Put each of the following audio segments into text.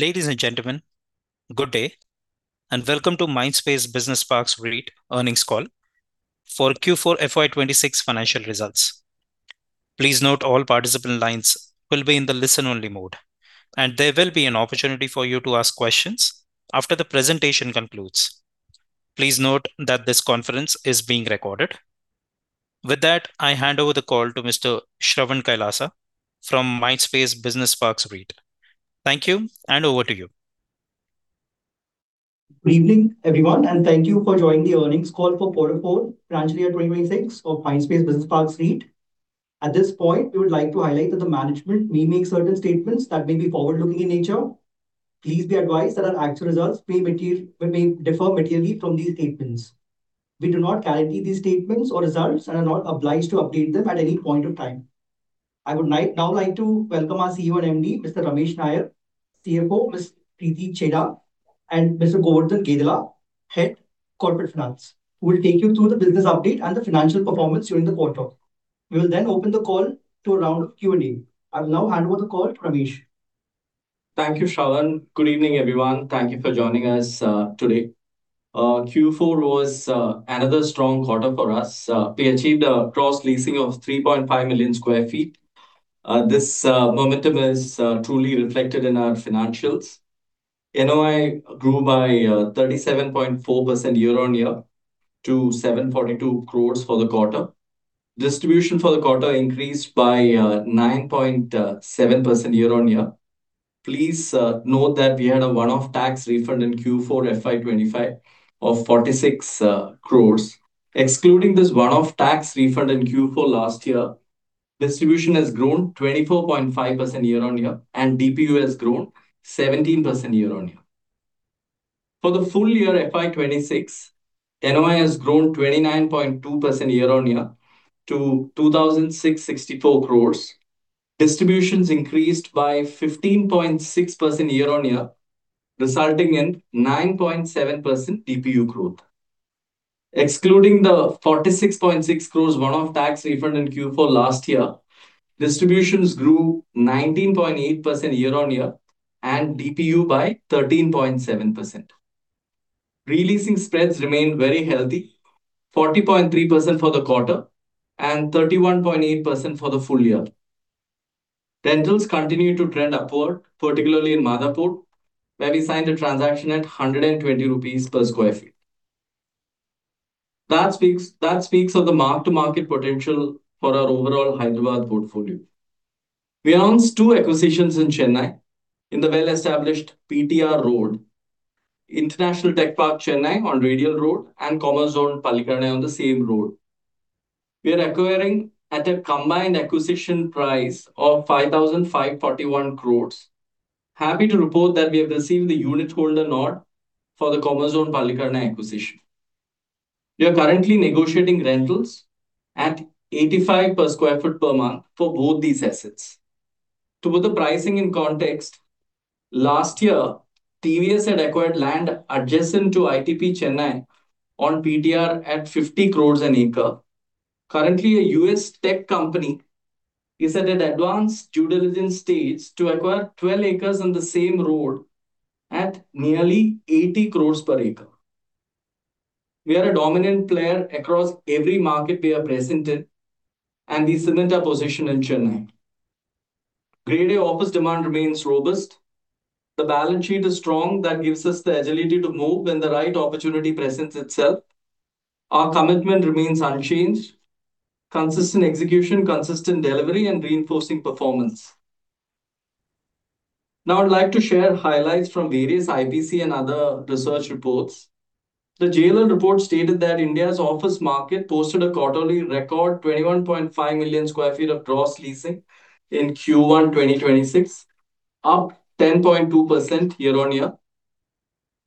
Ladies and gentlemen, good day, welcome to Mindspace Business Parks REIT earnings call for Q4 FY 2026 financial results. Please note all participant lines will be in the listen-only mode, there will be an opportunity for you to ask questions after the presentation concludes. Please note that this conference is being recorded. With that, I hand over the call to Mr. Shravan Kailasa from Mindspace Business Parks REIT. Thank you, over to you. Good evening, everyone, and thank you for joining the earnings call for Q4 FY 2026 for Mindspace Business Parks REIT. At this point, we would like to highlight that the management may make certain statements that may be forward-looking in nature. Please be advised that our actual results may differ materially from these statements. We do not guarantee these statements or results and are not obliged to update them at any point of time. I would now like to welcome our CEO and MD, Mr. Ramesh Nair; CFO, Ms. Preeti Chheda; and Mr. Govardhan Gedela, Head Corporate Finance, who will take you through the business update and the financial performance during the quarter. We will then open the call to a round of Q&A. I will now hand over the call to Ramesh. Thank you, Shravan. Good evening, everyone. Thank you for joining us today. Q4 was another strong quarter for us. We achieved a gross leasing of 3.5 million sq ft. This momentum is truly reflected in our financials. NOI grew by 37.4% year-on-year to 742 crores for the quarter. Distribution for the quarter increased by 9.7% year-on-year. Please note that we had a one-off tax refund in Q4 FY 2025 of 46 crores. Excluding this one-off tax refund in Q4 last year, distribution has grown 24.5% year-on-year, and DPU has grown 17% year-on-year. For the full year FY 2026, NOI has grown 29.2% year-on-year to 2,664 crores. Distributions increased by 15.6% year-on-year, resulting in 9.7% DPU growth. Excluding the 46.6 crores one-off tax refund in Q4 last year, distributions grew 19.8% year-on-year, and DPU by 13.7%. Releasing spreads remain very healthy, 40.3% for the quarter and 31.8% for the full year. Rentals continue to trend upward, particularly in Madhapur, where we signed a transaction at 120 rupees per sq ft. That speaks of the mark-to-market potential for our overall Hyderabad portfolio. We announced two acquisitions in Chennai in the well-established PTR Road: International Tech Park Chennai on Radial Road and Commerzone Pallikaranai on the same road. We are acquiring at a combined acquisition price of 5,541 crores. Happy to report that we have received the unitholder nod for the Commerzone Pallikaranai acquisition. We are currently negotiating rentals at 85 per square foot per month for both these assets. To put the pricing in context, last year, TVS had acquired land adjacent to ITP Chennai on Radial Road at 50 crores an acre. Currently, a U.S. tech company is at an advanced due diligence stage to acquire 12 acres on the same road at nearly 80 crores per acre. We are a dominant player across every market we are present in, and we cement our position in Chennai. Grade A office demand remains robust. The balance sheet is strong. That gives us the agility to move when the right opportunity presents itself. Our commitment remains unchanged. Consistent execution, consistent delivery, and reinforcing performance. Now I'd like to share highlights from various IBC and other research reports. The JLL report stated that India's office market posted a quarterly record, 21.5 million sq ft of gross leasing in Q1 2026, up 10.2% year-on-year.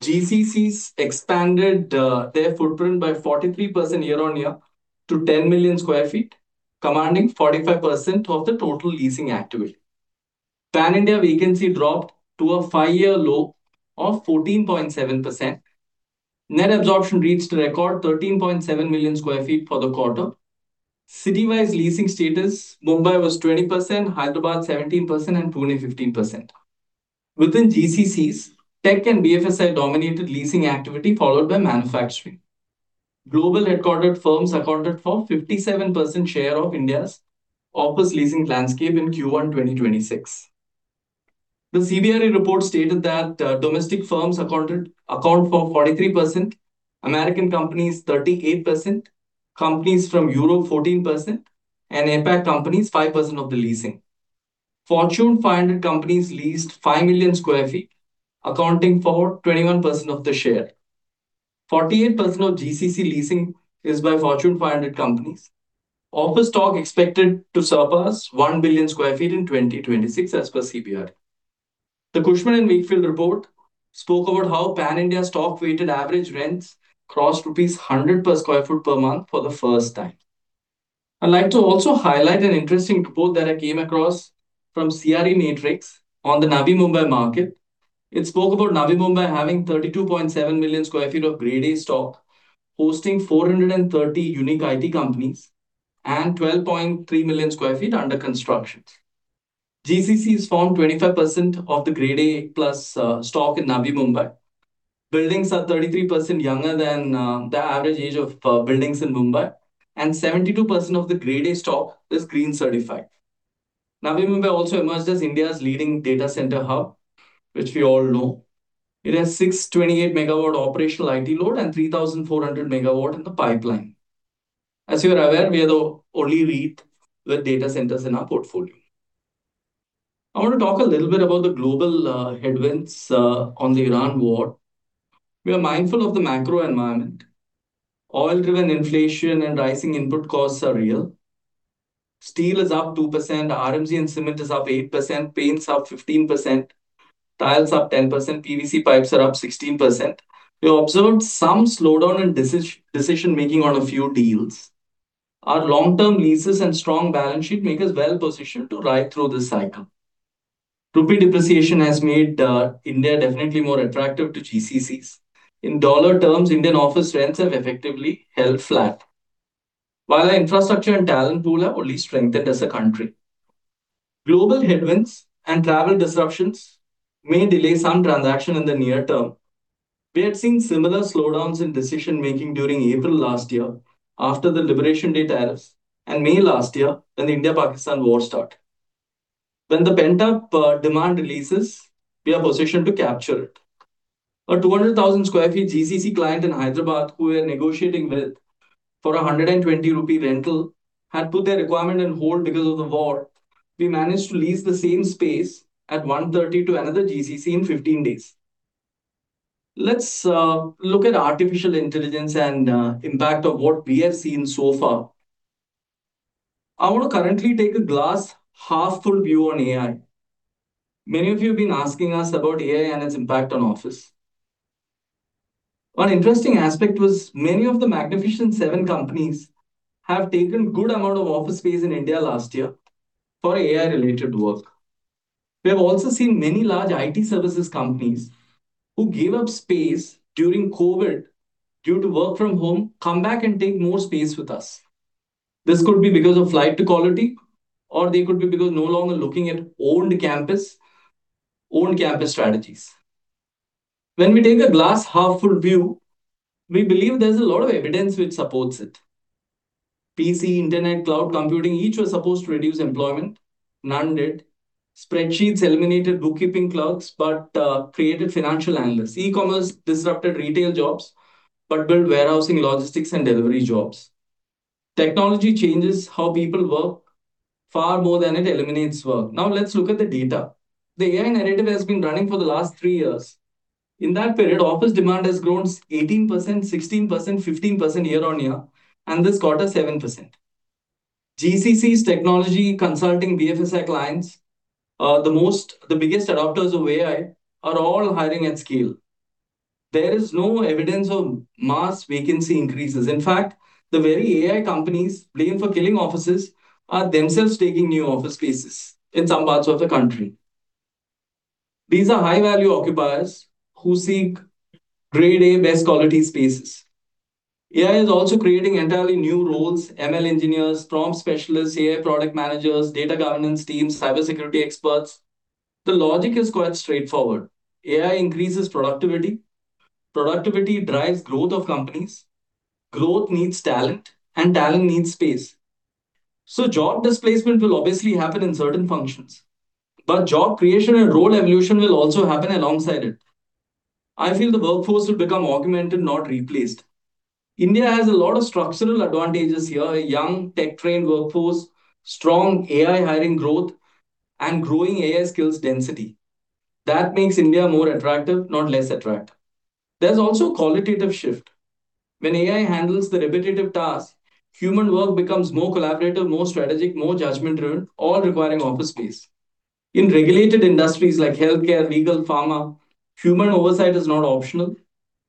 GCCs expanded their footprint by 43% year-on-year to 10 million sq ft, commanding 45% of the total leasing activity. Pan-India vacancy dropped to a five-year low of 14.7%. Net absorption reached a record 13.7 million sq ft for the quarter. City-wise leasing status, Mumbai was 20%, Hyderabad 17%, and Pune 15%. Within GCCs, tech and BFSI dominated leasing activity, followed by manufacturing. Global headquartered firms accounted for 57% share of India's office leasing landscape in Q1 2026. The CBRE report stated that domestic firms account for 43%, American companies 38%, companies from Europe 14%, and APAC companies 5% of the leasing. Fortune 500 companies leased 5 million sq ft, accounting for 21% of the share. 48% of GCC leasing is by Fortune 500 companies. Office stock expected to surpass 1 billion sq ft in 2026, as per CBRE. The Cushman & Wakefield report spoke about how Pan-India stock weighted average rents crossed rupees 100 per sq ft per month for the first time. I'd like to also highlight an interesting report that I came across from CRE Matrix on the Navi Mumbai market. It spoke about Navi Mumbai having 32.7 million sq ft of Grade A stock, hosting 430 unique IT companies. 12.3 million sq ft under construction. GCCs form 25% of the Grade A plus stock in Navi Mumbai. Buildings are 33% younger than the average age of buildings in Mumbai, 72% of the Grade A stock is green certified. Navi Mumbai also emerged as India's leading data center hub, which we all know. It has 628 MW operational IT load and 3,400 MW in the pipeline. As you are aware, we are the only REIT with data centers in our portfolio. I want to talk a little bit about the global headwinds on the Iran war. We are mindful of the macro environment. Oil-driven inflation and rising input costs are real. Steel is up 2%, RMC and cement is up 8%, paints up 15%, tiles up 10%, PVC pipes are up 16%. We observed some slowdown in decision-making on a few deals. Our long-term leases and strong balance sheet make us well-positioned to ride through this cycle. Rupee depreciation has made India definitely more attractive to GCCs. In dollar terms, Indian office rents have effectively held flat, while our infrastructure and talent pool have only strengthened as a country. Global headwinds and travel disruptions may delay some transaction in the near term. We had seen similar slowdowns in decision-making during April last year after the Liberation Day tariffs, and May last year when the India-Pakistan war started. When the pent-up demand releases, we are positioned to capture it. A 200,000 sq ft GCC client in Hyderabad who we are negotiating with for an 120 rupee rental had put their requirement on hold because of the war. We managed to lease the same space at 130 to another GCC in 15 days. Let's look at artificial intelligence and impact of what we have seen so far. I wanna currently take a glass half full view on AI. Many of you have been asking us about AI and its impact on office. One interesting aspect was many of the Magnificent Seven companies have taken good amount of office space in India last year for AI-related work. We have also seen many large IT services companies who gave up space during COVID due to work from home come back and take more space with us. This could be because of flight to quality, or they could be because no longer looking at owned campus strategies. When we take a glass half full view, we believe there's a lot of evidence which supports it. PC, internet, cloud computing, each was supposed to reduce employment. None did. Spreadsheets eliminated bookkeeping clerks, but created financial analysts. E-commerce disrupted retail jobs, but built warehousing, logistics, and delivery jobs. Technology changes how people work far more than it eliminates work. Now let's look at the data. The AI narrative has been running for the last three years. In that period, office demand has grown 18%, 16%, 15% year on year, and this quarter, 7%. GCCs technology consulting BFSI clients, the most, the biggest adopters of AI are all hiring at scale. There is no evidence of mass vacancy increases. In fact, the very AI companies blamed for killing offices are themselves taking new office spaces in some parts of the country. These are high-value occupiers who seek Grade A best quality spaces. AI is also creating entirely new roles, ML engineers, prompt specialists, AI product managers, data governance teams, cybersecurity experts. The logic is quite straightforward. AI increases productivity. Productivity drives growth of companies. Growth needs talent, and talent needs space. Job displacement will obviously happen in certain functions. Job creation and role evolution will also happen alongside it. I feel the workforce will become augmented, not replaced. India has a lot of structural advantages here, a young tech-trained workforce, strong AI hiring growth, and growing AI skills density. That makes India more attractive, not less attractive. There's also qualitative shift. When AI handles the repetitive tasks, human work becomes more collaborative, more strategic, more judgment-driven, all requiring office space. In regulated industries like healthcare, legal, pharma, human oversight is not optional.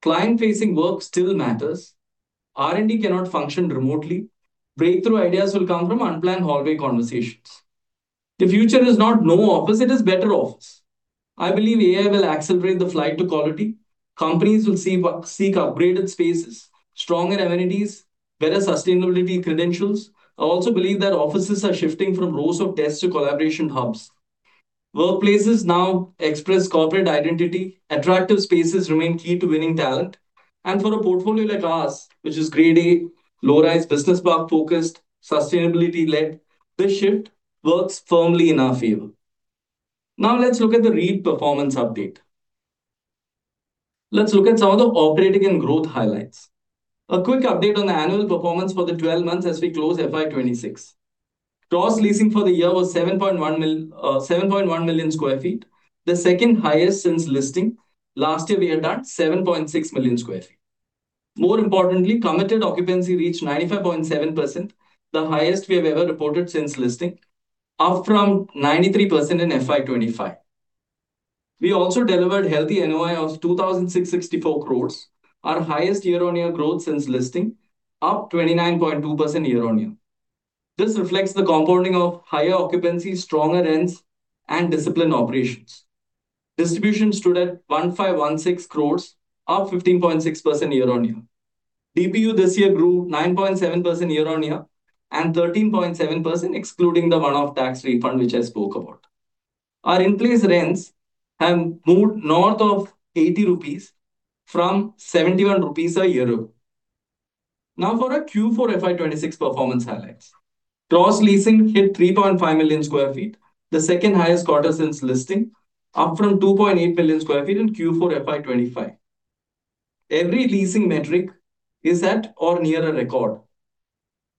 Client-facing work still matters. R&D cannot function remotely. Breakthrough ideas will come from unplanned hallway conversations. The future is not no office, it is better office. I believe AI will accelerate the flight to quality. Companies will seek upgraded spaces, stronger amenities, better sustainability credentials. I also believe that offices are shifting from rows of desks to collaboration hubs. Workplaces now express corporate identity. Attractive spaces remain key to winning talent. For a portfolio like ours, which is Grade A, low-rise, business park-focused, sustainability-led, this shift works firmly in our favor. Let's look at the REIT performance update. Let's look at some of the operating and growth highlights. A quick update on the annual performance for the 12 months as we close FY 2026. Gross leasing for the year was 7.1 million sq ft, the second highest since listing. Last year, we had done 7.6 million sq ft. Committed occupancy reached 95.7%, the highest we have ever reported since listing, up from 93% in FY 2025. We also delivered healthy NOI of 2,664 crores, our highest year-on-year growth since listing, up 29.2% year-on-year. This reflects the compounding of higher occupancy, stronger rents, and disciplined operations. Distribution stood at 1,516 crores, up 15.6% year-on-year. DPU this year grew 9.7% year-on-year, and 13.7% excluding the one-off tax refund which I spoke about. Our increased rents have moved north of 80 rupees from 71 rupees a year. For our Q4 FY 2026 performance highlights. Gross leasing hit 3.5 million sq ft, the second highest quarter since listing, up from 2.8 million sq ft in Q4 FY 2025. Every leasing metric is at or near a record.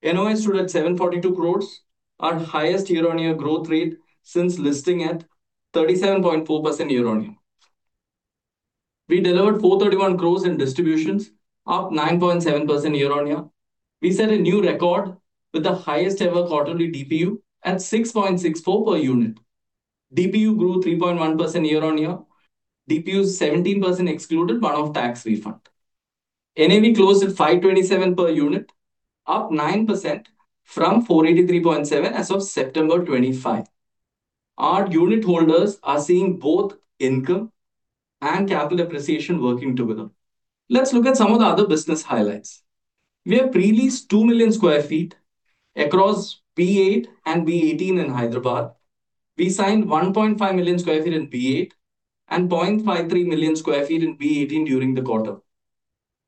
NOI stood at 742 crores, our highest year-on-year growth rate since listing at 37.4% year-on-year. We delivered 431 crores in distributions, up 9.7% year-on-year. We set a new record with the highest ever quarterly DPU at 6.64 per unit. DPU grew 3.1% year-on-year. DPU is 17% excluding one-off tax refund. NAV closed at 527 per unit, up 9% from 483.7 as of September 25. Our unit holders are seeing both income and capital appreciation working together. Let's look at some of the other business highlights. We have pre-leased 2 million sq ft across B8 and B18 in Hyderabad. We signed 1.5 million sq ft in B8 and 0.53 million sq ft in B18 during the quarter.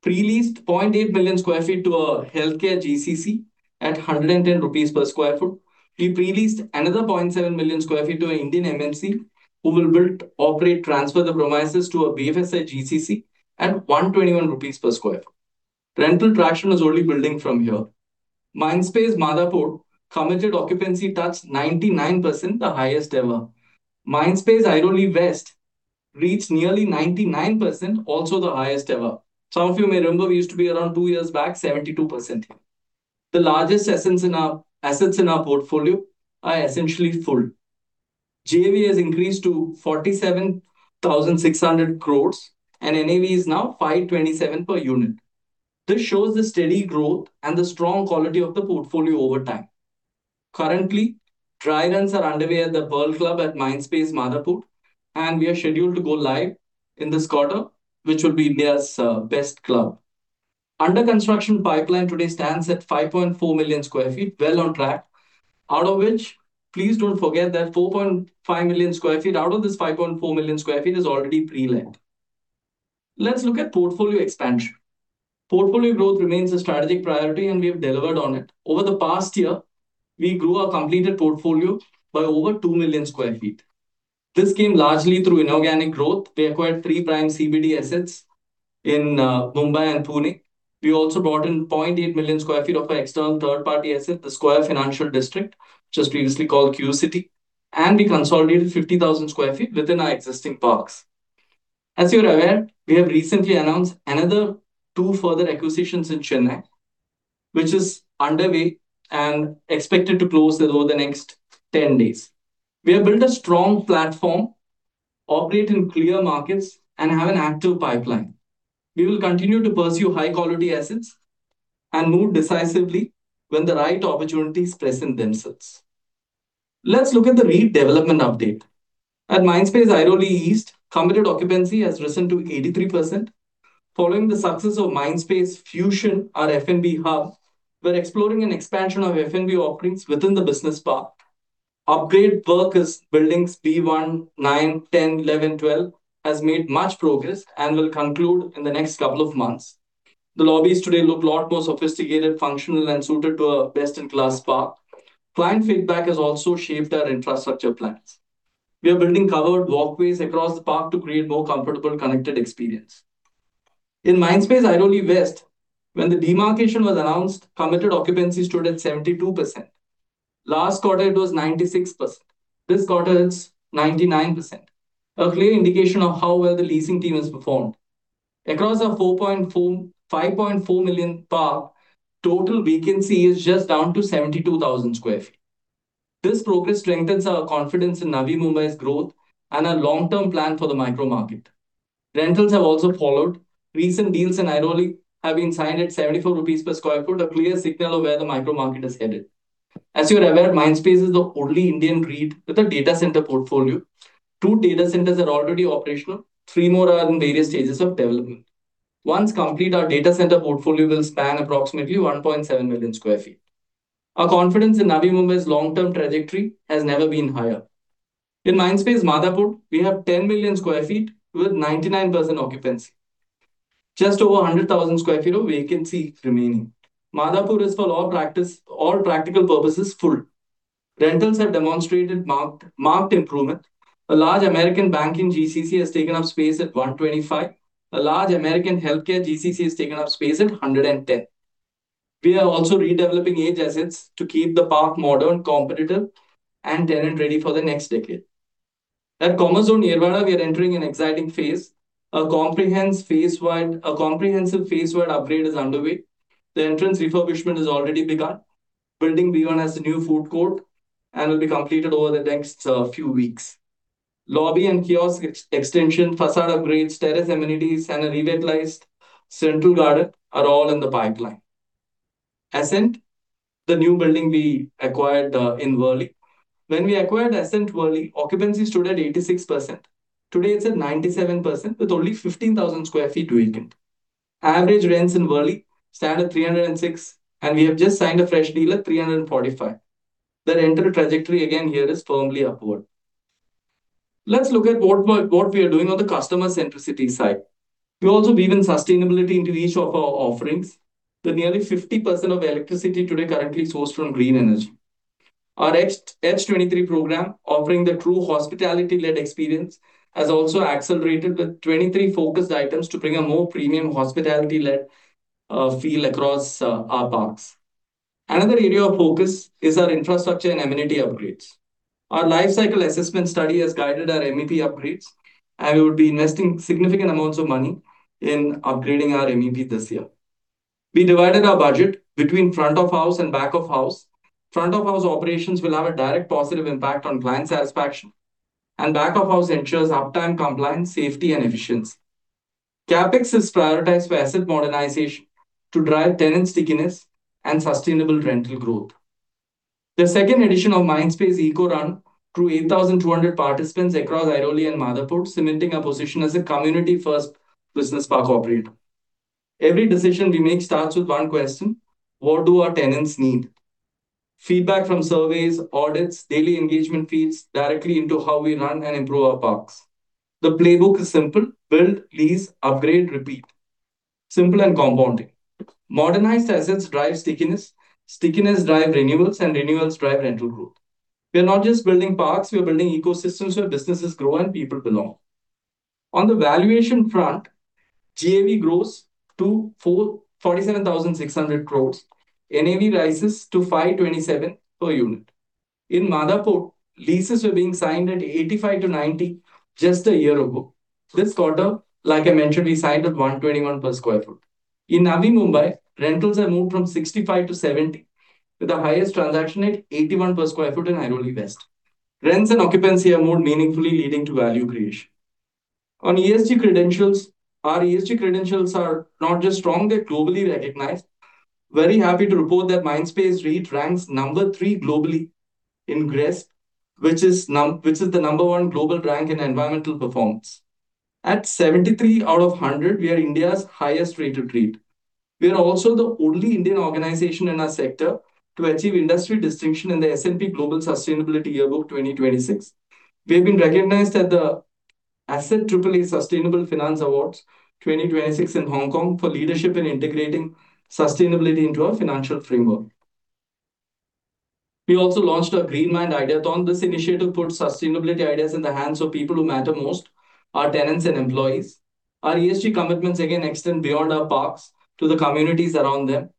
Pre-leased 0.8 million sq ft to a healthcare GCC at 110 rupees per sq ft. We pre-leased another 0.7 million sq ft to an Indian MMC who will build, operate, transfer the premises to a BFSI GCC at 121 rupees per sq ft. Rental traction is only building from here. Mindspace Madhapur committed occupancy touched 99%, the highest ever. Mindspace Airoli West reached nearly 99%, also the highest ever. Some of you may remember we used to be around 2 years back, 72%. The largest assets in our portfolio are essentially full. JV has increased to 47,600 crores, and NAV is now 527 per unit. This shows the steady growth and the strong quality of the portfolio over time. Currently, dry runs are underway at the Pearl Club at Mindspace Madhapur, and we are scheduled to go live in this quarter, which will be India's best club. Under construction pipeline today stands at 5.4 million sq ft, well on track. Out of which, please don't forget that 4.5 million sq ft out of this 5.4 million sq ft is already pre-let. Let's look at portfolio expansion. Portfolio growth remains a strategic priority. We have delivered on it. Over the past year, we grew our completed portfolio by over 2 million sq ft. This came largely through inorganic growth. We acquired three prime CBD assets in Mumbai and Pune. We also brought in 0.8 million sq ft of our external third-party asset, The Square, 110 Financial District, which was previously called Q-City, and we consolidated 50,000 sq ft within our existing parks. As you're aware, we have recently announced another two further acquisitions in Chennai, which is underway and expected to close over the next 10 days. We have built a strong platform, operate in clear markets, and have an active pipeline. We will continue to pursue high-quality assets and move decisively when the right opportunities present themselves. Let's look at the redevelopment update. At Mindspace Airoli East, committed occupancy has risen to 83%. Following the success of Mindspace Fusion, our F&B hub, we're exploring an expansion of F&B offerings within the business park. Upgrade work in buildings B1, 9, 10, 11, 12 has made much progress and will conclude in the next couple of months. The lobbies today look a lot more sophisticated, functional, and suited to a best-in-class park. Client feedback has also shaped our infrastructure plans. We are building covered walkways across the park to create more comfortable, connected experience. In Mindspace Airoli West, when the demarcation was announced, committed occupancy stood at 72%. Last quarter, it was 96%. This quarter, it's 99%. A clear indication of how well the leasing team has performed. Across our 5.4 million park, total vacancy is just down to 72,000 sq ft. This progress strengthens our confidence in Navi Mumbai's growth and our long-term plan for the micro market. Rentals have also followed. Recent deals in Airoli have been signed at 74 rupees per sq ft, a clear signal of where the micro market is headed. As you're aware, Mindspace is the only Indian REIT with a data center portfolio. 2 data centers are already operational. 3 more are in various stages of development. Once complete, our data center portfolio will span approximately 1.7 million sq ft. Our confidence in Navi Mumbai's long-term trajectory has never been higher. In Mindspace Madhapur, we have 10 million sq ft with 99% occupancy. Just over 100,000 sq ft of vacancy remaining. Madhapur is for all practical purposes, full. Rentals have demonstrated marked improvement. A large American bank in GCC has taken up space at 125. A large American healthcare GCC has taken up space at 110. We are also redeveloping 8 assets to keep the park modern, competitive, and tenant-ready for the next decade. At Commerzone Yerwada, we are entering an exciting phase. A comprehensive phase one upgrade is underway. The entrance refurbishment has already begun. Building B1 has a new food court and will be completed over the next few weeks. Lobby and kiosk extension, facade upgrades, terrace amenities, and a revitalized central garden are all in the pipeline. Ascent, the new building we acquired in Worli. When we acquired Ascent Worli, occupancy stood at 86%. Today, it's at 97% with only 15,000 sq ft vacant. Average rents in Worli stand at 306, and we have just signed a fresh deal at 345. The rental trajectory again here is firmly upward. Let's look at what we are doing on the customer centricity side. We also weave in sustainability into each of our offerings. Nearly 50% of electricity today is currently sourced from green energy. Our Edge 23 program, offering the true hospitality-led experience, has also accelerated with 23 focused items to bring a more premium hospitality-led feel across our parks. Another area of focus is our infrastructure and amenity upgrades. Our lifecycle assessment study has guided our MEP upgrades, and we will be investing significant amounts of money in upgrading our MEP this year. We divided our budget between front of house and back of house. Front of house operations will have a direct positive impact on client satisfaction, and back of house ensures uptime, compliance, safety, and efficiency. CapEx is prioritized for asset modernization to drive tenant stickiness and sustainable rental growth. The second edition of Mindspace EcoRun drew 8,200 participants across Airoli and Madhapur, cementing our position as a community-first business park operator. Every decision we make starts with one question: What do our tenants need? Feedback from surveys, audits, daily engagement feeds directly into how we run and improve our parks. The playbook is simple: build, lease, upgrade, repeat. Simple and compounding. Modernized assets drive stickiness drive renewals, and renewals drive rental growth. We're not just building parks, we're building ecosystems where businesses grow and people belong. On the valuation front, GAV grows to 47,600 crores. NAV rises to 527 per unit. In Madhapur, leases were being signed at 85-90 just a year ago. This quarter, like I mentioned, we signed at 121 per square foot. In Navi Mumbai, rentals have moved from 65-70, with the highest transaction at 81 per square foot in Airoli West. Rents and occupancy are more meaningfully leading to value creation. On ESG credentials, our ESG credentials are not just strong, they're globally recognized. Very happy to report that Mindspace REIT ranks number 3 globally in GRESB, which is the number 1 global rank in environmental performance. At 73 out of 100, we are India's highest-rated REIT. We are also the only Indian organization in our sector to achieve industry distinction in the S&P Global Sustainability Yearbook 2026. We have been recognized at The Asset Triple A Sustainable Finance Awards 2026 in Hong Kong for leadership in integrating sustainability into our financial framework. We also launched our Green Mind Ideathon. This initiative put sustainability ideas in the hands of people who matter most, our tenants and employees. Our ESG commitments again extend beyond our parks to the communities around them.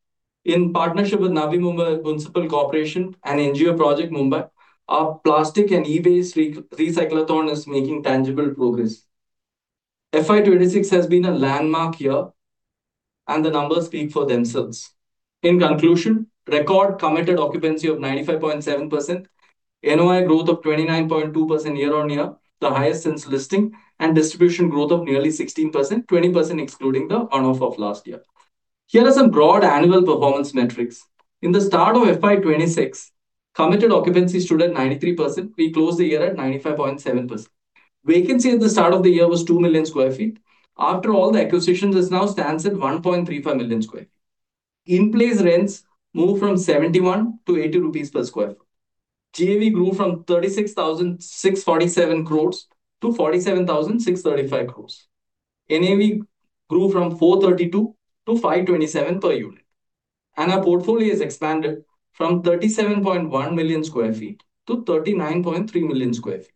In partnership with Navi Mumbai Municipal Corporation and NGO Project Mumbai, our plastic and e-waste recyclathon is making tangible progress. FY 2026 has been a landmark year, and the numbers speak for themselves. In conclusion, record committed occupancy of 95.7%, NOI growth of 29.2% year-on-year, the highest since listing, and distribution growth of nearly 16%, 20% excluding the one-off of last year. Here are some broad annual performance metrics. In the start of FY 2026, committed occupancy stood at 93%. We closed the year at 95.7%. Vacancy at the start of the year was 2 million sq ft. After all the acquisitions, this now stands at 1.35 million sq ft. In-place rents moved from 71 to 80 rupees per sq ft. GAV grew from 36,647 crores to 47,635 crores. NAV grew from 432 to 527 per unit. Our portfolio has expanded from 37.1 million sq ft to 39.3 million sq ft.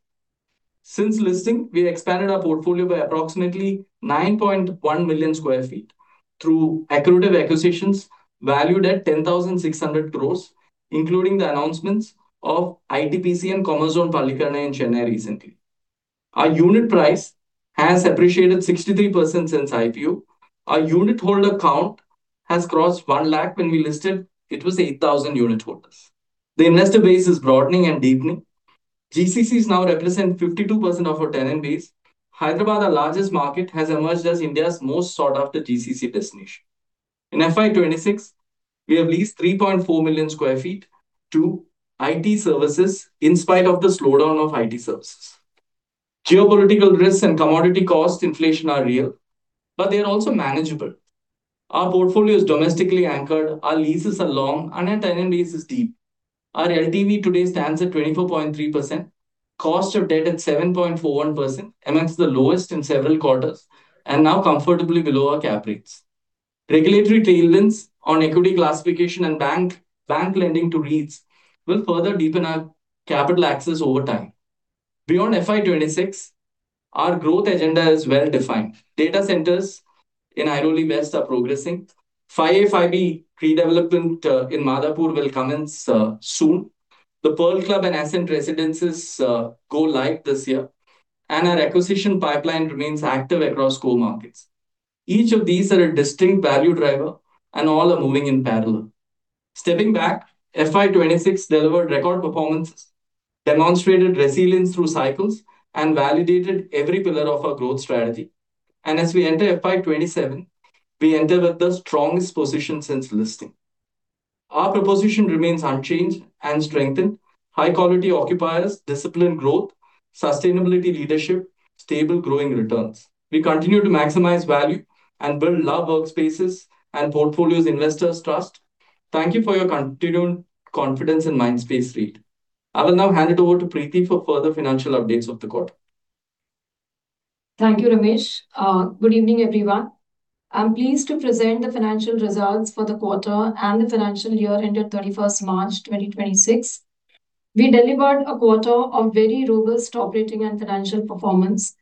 Since listing, we expanded our portfolio by approximately 9.1 million sq ft through accretive acquisitions valued at 10,600 crores, including the announcements of ITPC and Commerzone Pallikaranai and Chennai recently. Our unit price has appreciated 63% since IPO. Our unit holder count has crossed 1 lakh. When we listed, it was 8,000 unit holders. The investor base is broadening and deepening. GCCs now represent 52% of our tenant base. Hyderabad, our largest market, has emerged as India's most sought-after GCC destination. In FY 2026, we have leased 3.4 million sq ft to IT services, in spite of the slowdown of IT services. Geopolitical risks and commodity cost inflation are real, but they are also manageable. Our portfolio is domestically anchored, our leases are long, and our tenant base is deep. Our LTV today stands at 24.3%. Cost of debt at 7.41%, amongst the lowest in several quarters, and now comfortably below our cap rates. Regulatory tailwinds on equity classification and bank lending to REITs will further deepen our capital access over time. Beyond FY 2026, our growth agenda is well-defined. Data centers in Airoli West are progressing. 5A, 5B redevelopment in Madhapur will commence soon. The Pearl Club and Ascent Residences go live this year. Our acquisition pipeline remains active across core markets. Each of these are a distinct value driver, all are moving in parallel. Stepping back, FY 2026 delivered record performances, demonstrated resilience through cycles, and validated every pillar of our growth strategy. As we enter FY 2027, we enter with the strongest position since listing. Our proposition remains unchanged and strengthened. High quality occupiers, disciplined growth, sustainability leadership, stable growing returns. We continue to maximize value and build loved workspaces and portfolios investors trust. Thank you for your continued confidence in Mindspace REIT. I will now hand it over to Preeti for further financial updates of the quarter. Thank you, Ramesh. Good evening, everyone. I'm pleased to present the financial results for the quarter and the financial year ended 31st March 2026. We delivered a quarter of very robust operating and financial performance.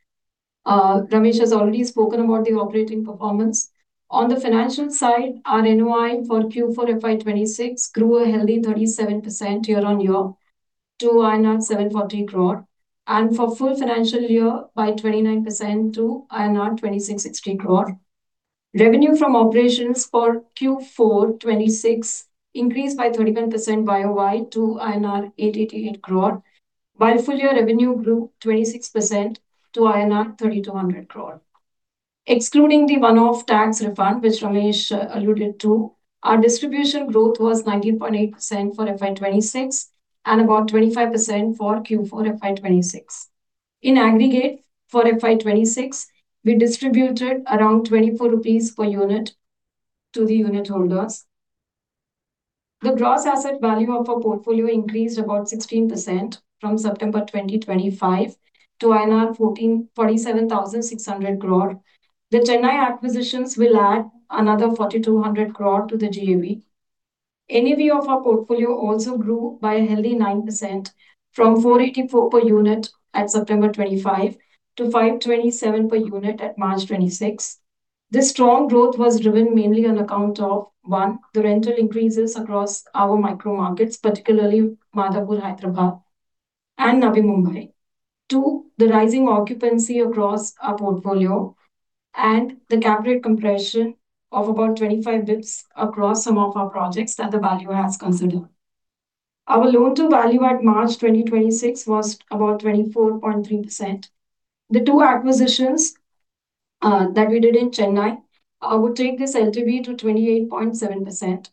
Ramesh has already spoken about the operating performance. On the financial side, our NOI for Q4 FY 2026 grew a healthy 37% year-on-year to 740 crore, and for full financial year by 29% to 2,660 crore. Revenue from operations for Q4 2026 increased by 31% YOY to INR 888 crore, while full year revenue grew 26% to INR 3,200 crore. Excluding the one-off tax refund, which Ramesh alluded to, our distribution growth was 19.8% for FY 2026 and about 25% for Q4 FY 2026. In aggregate, for FY 2026, we distributed around 24 rupees per unit to the unitholders. The Gross Asset Value of our portfolio increased about 16% from September 2025 to INR 47,600 crore. The Chennai acquisitions will add another 4,200 crore to the GAV. NAV of our portfolio also grew by a healthy 9% from 484 per unit at September 2025 to 527 per unit at March 2026. This strong growth was driven mainly on account of, 1, the rental increases across our micro-markets, particularly Madhapur, Hyderabad and Navi Mumbai. 2, the rising occupancy across our portfolio and the cap rate compression of about 25 basis points across some of our projects that the valuer has considered. Our loan-to-value at March 2026 was about 24.3%. The two acquisitions that we did in Chennai would take this LTV to 28.7%.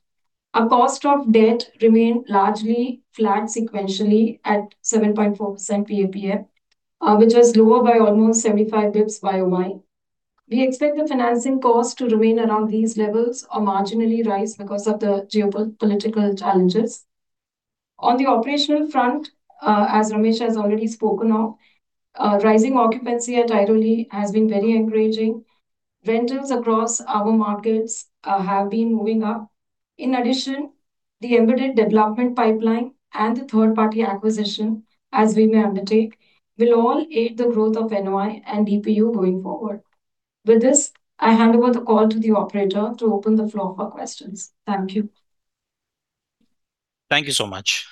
Our cost of debt remained largely flat sequentially at 7.4% p.a., which was lower by almost 75 basis points year-over-year. We expect the financing costs to remain around these levels or marginally rise because of the geopolitical challenges. On the operational front, as Ramesh has already spoken of, rising occupancy at Airoli has been very encouraging. Rentals across our markets have been moving up. In addition, the embedded development pipeline and the third-party acquisition, as we may undertake, will all aid the growth of NOI and DPU going forward. With this, I hand over the call to the operator to open the floor for questions. Thank you. Thank you so much.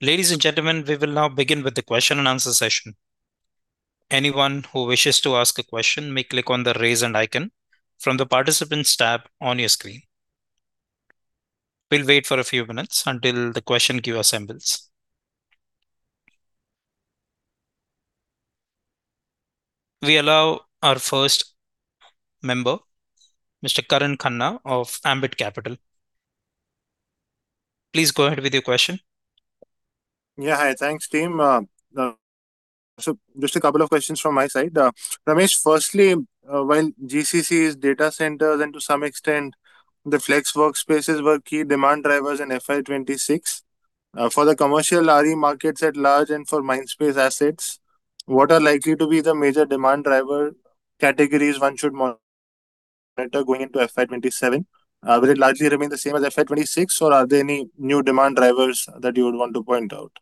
Ladies and gentlemen, we will now begin with the question and answer session. Anyone who wishes to ask a question may click on the Raise Hand icon from the Participants tab on your screen. We will wait for a few minutes until the question queue assembles. We allow our first member, Mr. Karan Khanna of Ambit Capital. Please go ahead with your question. Yeah. Hi. Thanks, team. Just a couple of questions from my side. Ramesh, firstly, while GCCs, data centers and to some extent the flex workspaces were key demand drivers in FY 2026 for the commercial RE markets at large and for Mindspace assets, what are likely to be the major demand driver categories one should monitor going into FY 2027? Will it largely remain the same as FY 2026 or are there any new demand drivers that you would want to point out?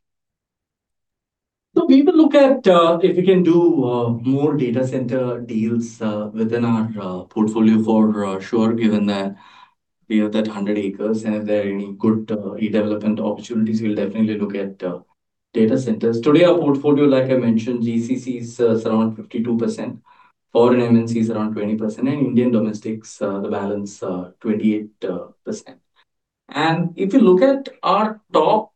We will look at if we can do more data center deals within our portfolio for sure, given that we have that 100 acres. If there are any good redevelopment opportunities, we'll definitely look at data centers. Today, our portfolio, like I mentioned, GCCs is around 52%, foreign MNCs around 20%, and Indian domestics, the balance, 28%. If you look at our top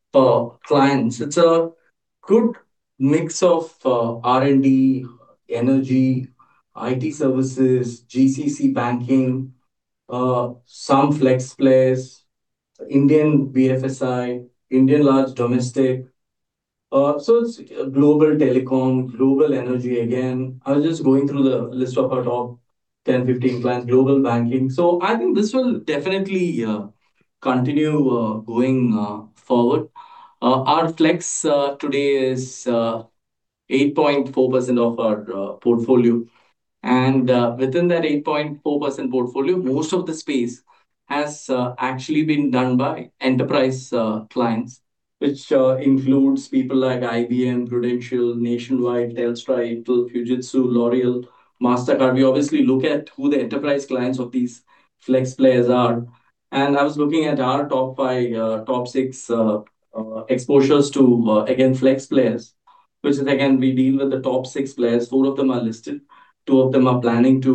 clients, it's a good mix of R&D, energy, IT services, GCC banking, some flex place, Indian BFSI, Indian large domestic. It's global telecom, global energy again. I was just going through the list of our top 10, 15 clients. Global banking. I think this will definitely continue going forward. Our flex today is 8.4% of our portfolio, and within that 8.4% portfolio, most of the space has actually been done by enterprise clients, which includes people like IBM, Prudential, Nationwide, Telstra, Apple, Fujitsu, L'Oréal, Mastercard. We obviously look at who the enterprise clients of these flex players are. I was looking at our top five, top six exposures to again, flex players, which is again, we deal with the top six players. Four of them are listed. Two of them are planning to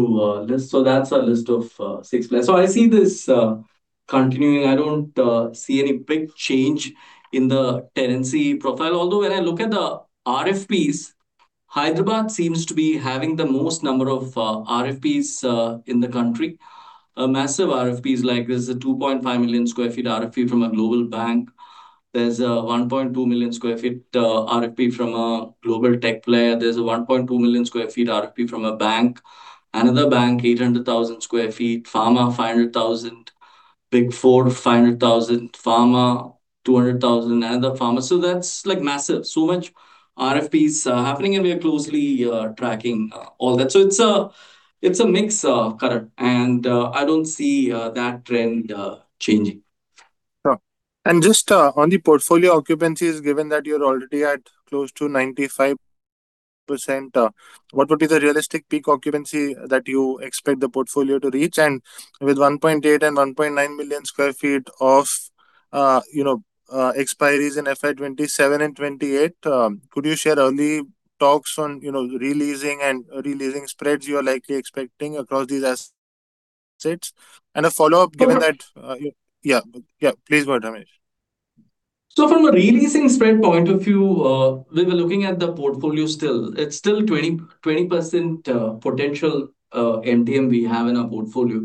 list. That's our list of six players. I see this. Continuing, I don't see any big change in the tenancy profile. When I look at the RFPs, Hyderabad seems to be having the most number of RFPs in the country. Massive RFPs, like there's a 2.5 million sq ft RFP from a global bank. There's a 1.2 million sq ft RFP from a global tech player. There's a 1.2 million sq ft RFP from a bank. Another bank, 800,000 sq ft. Pharma, 500,000 sq ft. Big Four, 500,000 sq ft. Pharma, 200,000 sq ft. Another pharma. That's like massive. Much RFPs are happening. We are closely tracking all that. It's a mix of current, I don't see that trend changing. Sure. Just on the portfolio occupancies, given that you're already at close to 95%, what would be the realistic peak occupancy that you expect the portfolio to reach? With 1.8 million and 1.9 million sq ft of, you know, expiries in FY 2027 and 2028, could you share early talks on, you know, re-leasing and re-leasing spreads you are likely expecting across these assets? A follow-up given that. So from- Yeah. Yeah, please go ahead, Ramesh. From a re-leasing spread point of view, when we're looking at the portfolio still, it's still 20% potential MTM we have in our portfolio.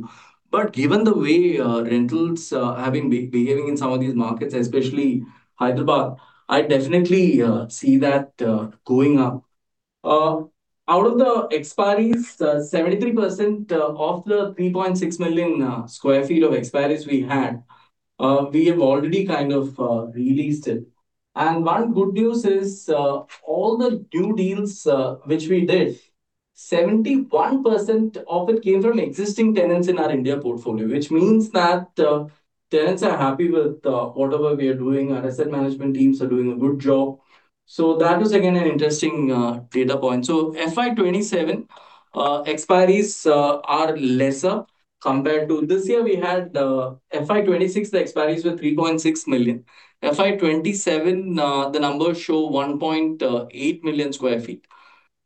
Given the way rentals have been behaving in some of these markets, especially Hyderabad, I definitely see that going up. Out of the expiries, 73% of the 3.6 million sq ft of expiries we had, we have already kind of re-leased it. One good news is, all the new deals which we did, 71% of it came from existing tenants in our India portfolio, which means that tenants are happy with whatever we are doing. Our asset management teams are doing a good job. That was, again, an interesting data point. FY 2027 expiries are lesser compared to. This year we had, FY 2026, the expiries were 3.6 million. FY 2027, the numbers show 1.8 million sq ft.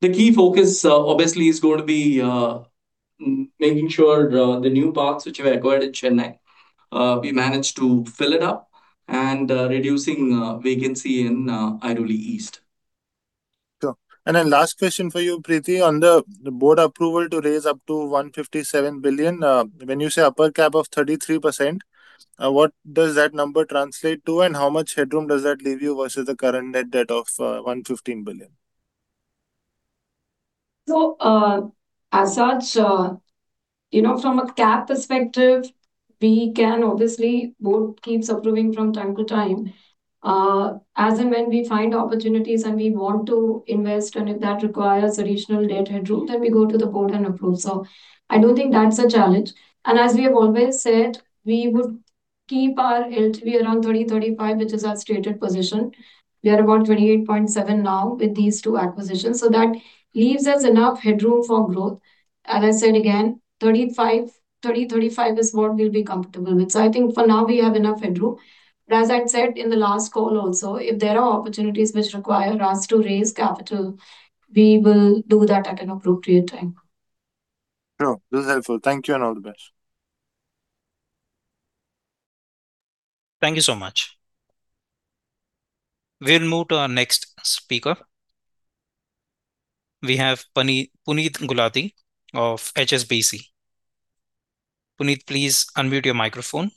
The key focus obviously is going to be making sure the new parks which we've acquired in Chennai, we manage to fill it up, and reducing vacancy in Airoli East. Sure. Last question for you, Preeti. On the board approval to raise up to 157 billion, when you say upper cap of 33%, what does that number translate to, and how much headroom does that leave you versus the current net debt of 115 billion? As such, from a cap perspective, Board keeps approving from time to time. As and when we find opportunities and we want to invest, and if that requires additional debt headroom, we go to the Board and approve. I don't think that's a challenge. As we have always said, we would keep our LTV around 30%-35%, which is our stated position. We are about 28.7% now with these two acquisitions, that leaves us enough headroom for growth. As I said again, 35%, 30%, 35% is what we'll be comfortable with. I think for now we have enough headroom. As I said in the last call also, if there are opportunities which require us to raise capital, we will do that at an appropriate time. Sure. This is helpful. Thank you, and all the best. Thank you so much. We'll move to our next speaker. We have Puneet Gulati of HSBC. Puneet, please unmute your microphone.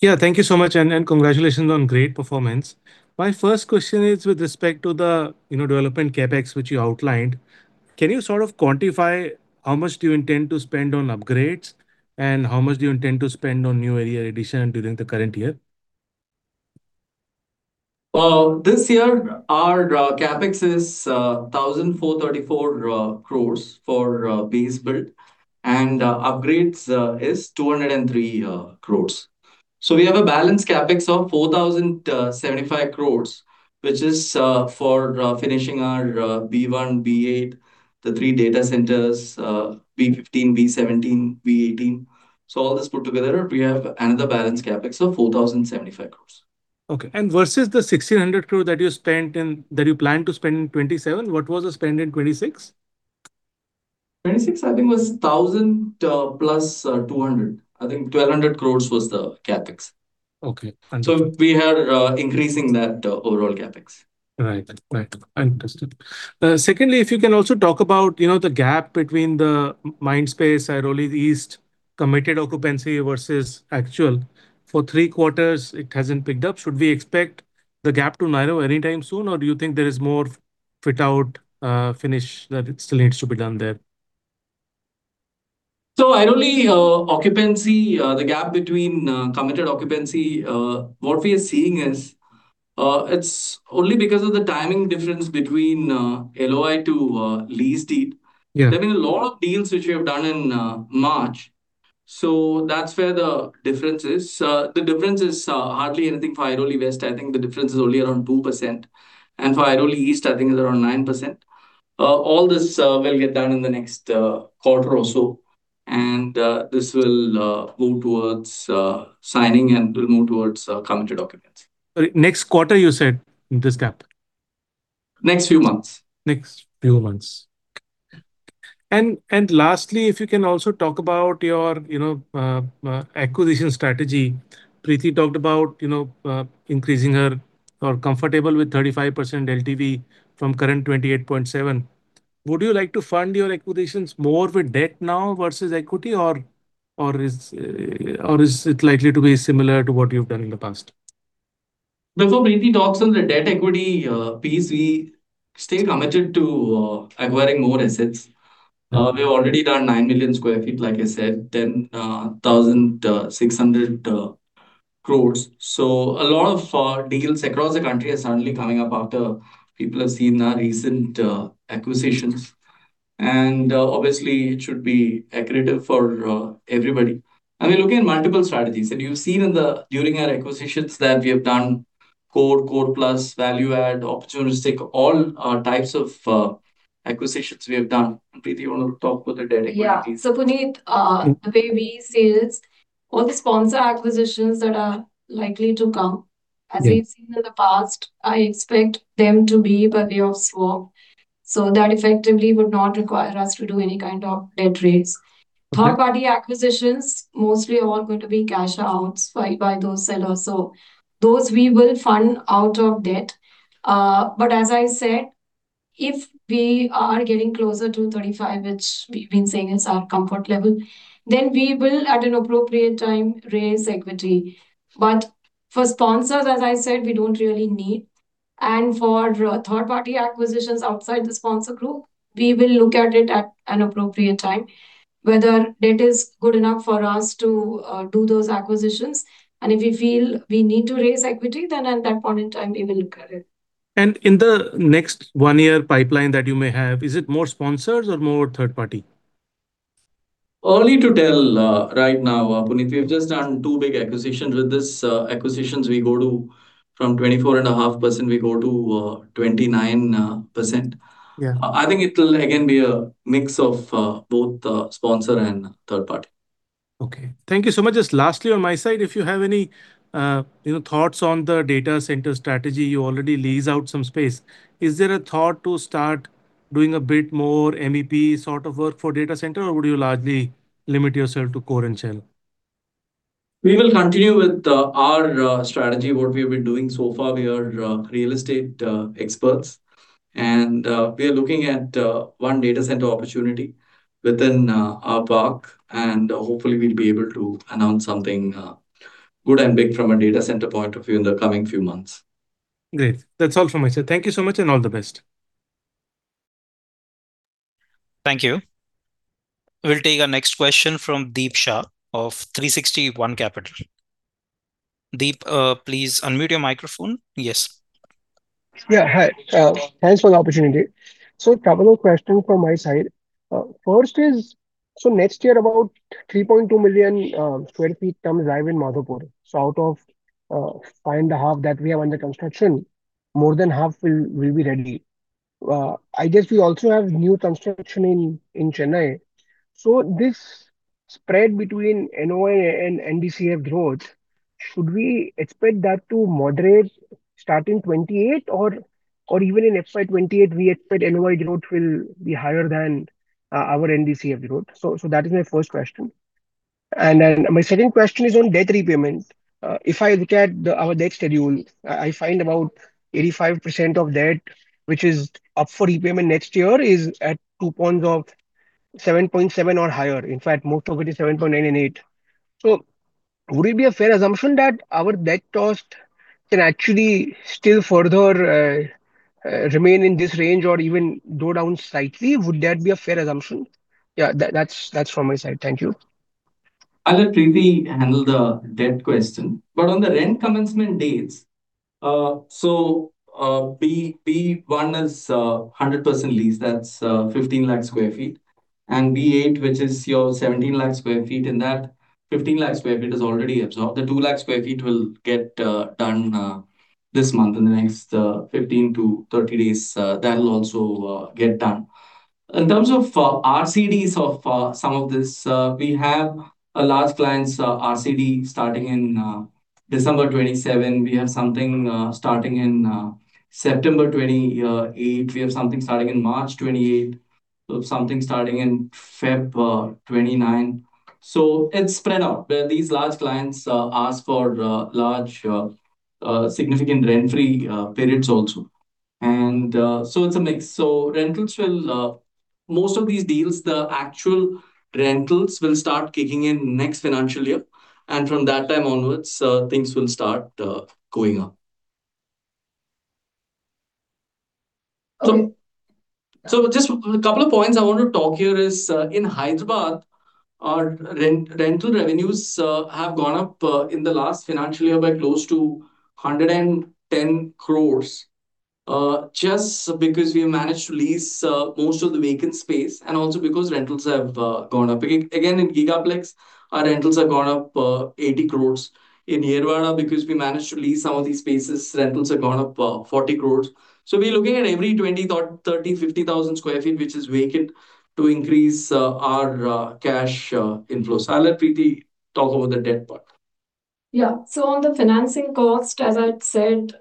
Yeah. Thank you so much, and congratulations on great performance. My first question is with respect to the, you know, development CapEx which you outlined. Can you sort of quantify how much do you intend to spend on upgrades, and how much do you intend to spend on new area addition during the current year? Well, this year our CapEx is 1,434 crore for base build, and upgrades is 203 crore. We have a balanced CapEx of 4,075 crore, which is for finishing our B1, B8, the three data centers, B15, B17, B18. All this put together, we have another balanced CapEx of 4,075 crore. Okay. Versus the 1,600 crore that you spent in, that you plan to spend in 2027, what was the spend in 2026? 2026, I think, was 1,000 plus 200. I think 1,200 crores was the CapEx. Okay. Understood. We are increasing that overall CapEx. Right. Right. Understood. Secondly, if you can also talk about, you know, the gap between the Mindspace Airoli East committed occupancy versus actual. For three quarters it hasn't picked up. Should we expect the gap to narrow anytime soon, or do you think there is more fit-out, finish that still needs to be done there? Airoli occupancy, the gap between committed occupancy, what we are seeing is, it's only because of the timing difference between LOI to a lease deed. Yeah. There have been a lot of deals which we have done in March. That's where the difference is. The difference is hardly anything for Airoli West. I think the difference is only around 2%. For Airoli East, I think it's around 9%. All this will get done in the next quarter or so. This will move towards signing and will move towards committed occupancy. Sorry, next quarter you said this gap? Next few months. Next few months. Lastly, if you can also talk about your acquisition strategy. Preeti talked about comfortable with 35% LTV from current 28.7%. Would you like to fund your acquisitions more with debt now versus equity or is it likely to be similar to what you've done in the past? Before Preeti talks on the debt equity piece, we stay committed to acquiring more assets. We've already done 9 million sq ft, like I said, then, 1,600 crores. A lot of deals across the country are suddenly coming up after people have seen our recent acquisitions. Obviously, it should be accretive for everybody. We're looking at multiple strategies. You've seen in during our acquisitions that we have done core plus, value add, opportunistic, all types of acquisitions we have done. Preeti, you wanna talk about the debt equity piece? Yeah. Puneet. The way we see it, all the sponsor acquisitions that are likely to come as we've seen in the past, I expect them to be by way of swap. That effectively would not require us to do any kind of debt raise. Third party acquisitions, mostly all going to be cash outs by those sellers. Those we will fund out of debt. As I said, if we are getting closer to 35, which we've been saying is our comfort level, then we will, at an appropriate time, raise equity. For sponsors, as I said, we don't really need. For third party acquisitions outside the sponsor group, we will look at it at an appropriate time, whether debt is good enough for us to do those acquisitions. If we feel we need to raise equity, then at that point in time we will look at it. In the next one-year pipeline that you may have, is it more sponsors or more third party? Early to tell, right now, Puneet. We've just done 2 big acquisitions. With this, acquisitions we go to, from 24.5% we go to, 29%. Yeah. I think it'll again be a mix of both sponsor and third party. Okay. Thank you so much. Lastly on my side, if you have any, you know, thoughts on the data center strategy. You already lease out some space. Is there a thought to start doing a bit more MEP sort of work for data center, or would you largely limit yourself to core and shell? We will continue with our strategy, what we have been doing so far. We are real estate experts. We are looking at one data center opportunity within our park, and hopefully we'll be able to announce something good and big from a data center point of view in the coming few months. Great. That's all from my side. Thank you so much, all the best. Thank you. We'll take our next question from Deep Shah of 360 ONE Capital. Deep, please unmute your microphone. Yes. Yeah. Hi. Thanks for the opportunity. A couple of questions from my side. First is, next year about 3.2 million sq ft comes live in Madhapur. Out of 5.5 that we have under construction, more than half will be ready. I guess we also have new construction in Chennai. This spread between NOI and NBCF growth, should we expect that to moderate starting 2028 or even in FY 2028 we expect NOI growth will be higher than our NBCF growth? That is my first question. My second question is on debt repayment. If I look at our debt schedule, I find about 85% of debt, which is up for repayment next year, is at coupons of 7.7% or higher. In fact, most of it is 7.9% and 8%. Would it be a fair assumption that our debt cost can actually still further remain in this range or even go down slightly? Would that be a fair assumption? Yeah, that's from my side. Thank you. I'll let Preeti handle the debt question. On the rent commencement dates, so B1 is 100% leased. That's 15 lakh sq ft. B8, which is your 17 lakh sq ft, in that 15 lakh sq ft is already absorbed. The 2 lakh sq ft will get done this month, in the next 15-30 days, that'll also get done. In terms of RCDs of some of this, we have a large client's RCD starting in December 2027. We have something starting in September 2028. We have something starting in March 2028. We have something starting in February 2029. It's spread out. These large clients ask for large significant rent-free periods also. So it's a mix. Rentals will, most of these deals, the actual rentals will start kicking in next financial year. From that time onwards, things will start going up. Okay. Just a couple of points I want to talk here is, in Hyderabad, our rental revenues have gone up in the last financial year by close to 110 crore, just because we have managed to lease most of the vacant space and also because rentals have gone up. Again, in Gigaplex, our rentals have gone up 80 crore. In Yerwada, because we managed to lease some of these spaces, rentals have gone up 40 crore. We're looking at every 20,000 to 30,000, 50,000 sq ft which is vacant to increase our cash inflow. I'll let Preeti talk about the debt part. Yeah. On the financing cost, as I'd said,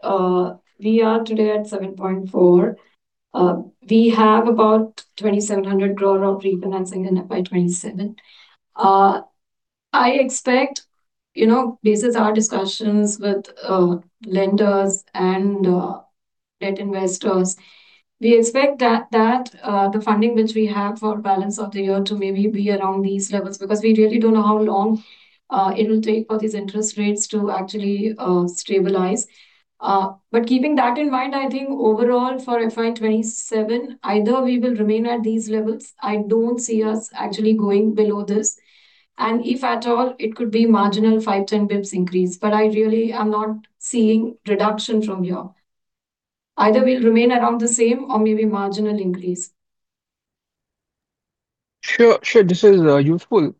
we are today at 7.4%. We have about 2,700 crore of refinancing in FY 2027. I expect, you know, basis our discussions with lenders and debt investors, we expect that the funding which we have for balance of the year to maybe be around these levels, because we real`ly don't know how long it'll take for these interest rates to actually stabilize. Keeping that in mind, I think overall for FY 2027, either we will remain at these levels. I don't see us actually going below this, and if at all, it could be marginal 5, 10 basis points increase, but I really am not seeing reduction from here. Either we'll remain around the same or maybe marginal increase. Sure. This is useful.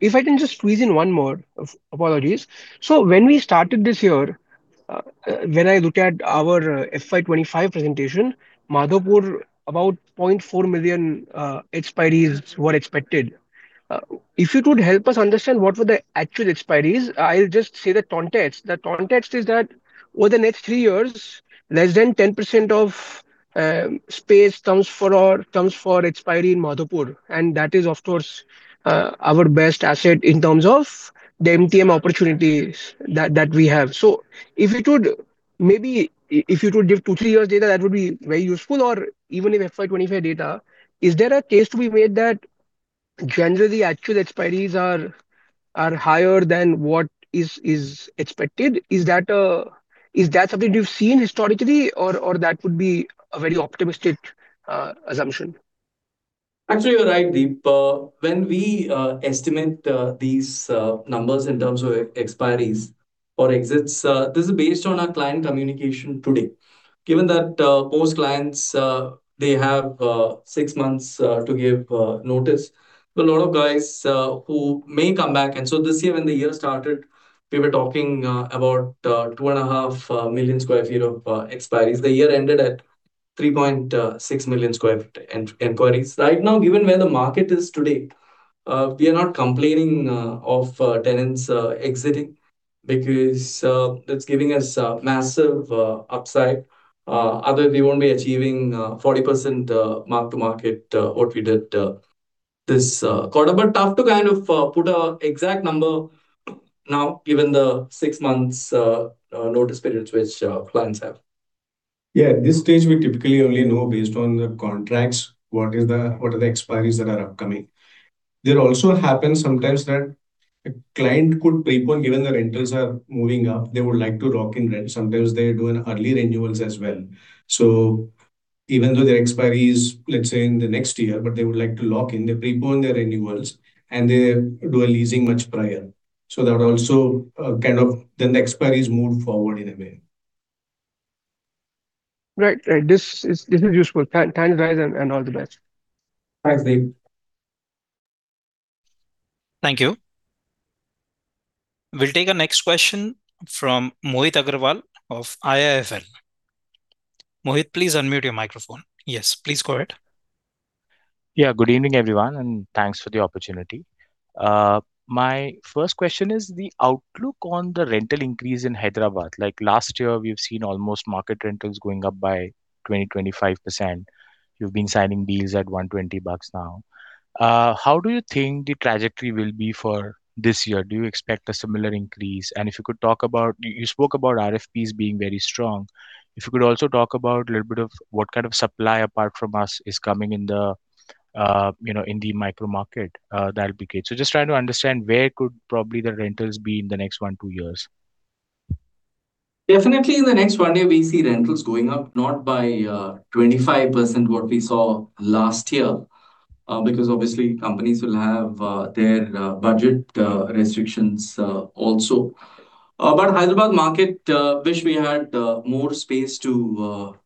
If I can just squeeze in one more. Apologies. When we started this year, when I look at our FY 2025 presentation, Madhapur, about 0.4 million expiries were expected. If you could help us understand what were the actual expiries, I'll just say the context. The context is that over the next three years, less than 10% of space comes for expiry in Madhapur, and that is of course, our best asset in terms of the MTM opportunities that we have. If you could maybe, if you could give two, three years data, that would be very useful. Or even if FY 2025 data, is there a case to be made that generally actual expiries are higher than what is expected? Is that something you've seen historically or that would be a very optimistic assumption? Actually, you're right, Deep. When we estimate these numbers in terms of expiries or exits, this is based on our client communication today, given that most clients, they have 6 months to give notice. A lot of guys who may come back. This year when the year started, we were talking about 2.5 million sq ft of expiries. The year ended at 3.6 million sq ft enquiries. Right now, given where the market is today, we are not complaining of tenants exiting because it's giving us a massive upside. Otherwise we won't be achieving 40% mark to market what we did this quarter. Tough to kind of, put a exact number now given the six months, notice periods which clients have. Yeah. At this stage, we typically only know based on the contracts what are the expiries that are upcoming. There also happens sometimes that a client could prepay, given the rentals are moving up, they would like to lock in rent. Sometimes they do an early renewals as well. Even though their expiry is, let's say, in the next year, but they would like to lock in, they prepay on their renewals, and they do a leasing much prior. That would also, kind of then the expiry is moved forward in a way. Right. Right. This is, this is useful. Thanks, guys, and all the best. Thanks, Deep. Thank you. We'll take our next question from Mohit Agrawal of IIFL. Mohit, please unmute your microphone. Yes, please go ahead. Yeah, good evening, everyone, and thanks for the opportunity. My first question is the outlook on the rental increase in Hyderabad. Like last year, we've seen almost market rentals going up by 20-25%. You've been signing deals at INR 120 now. How do you think the trajectory will be for this year? Do you expect a similar increase? If you could talk about you spoke about RFPs being very strong. If you could also talk about a little bit of what kind of supply apart from us is coming in the, you know, in the micro market, that'll be great. Just trying to understand where could probably the rentals be in the next 1-2 years. Definitely in the next 1 year we see rentals going up, not by 25% what we saw last year, because obviously companies will have their budget restrictions also. Hyderabad market, wish we had more space to